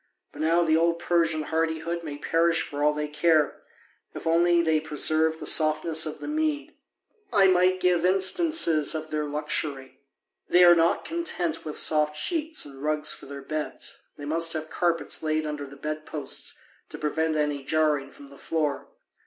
But now the old Persian hardihood may perish for all they care, if only they preserve the softness of the Mede. I might give instances of their luxury. They are not content with soft sheets and rugs for their beds, they must have carpets laid under the bed posts to prevent any jarring from the floor.